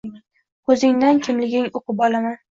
Ko`zingdan kimliging uqib olaman